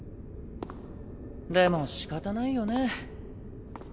でもしかたないよね。